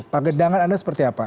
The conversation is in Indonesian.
pagedangan anda seperti apa